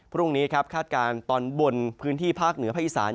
พรุ่งนี้ครับคาดการณ์ตอนบนพื้นที่ภาคเหนือภาคอีสาน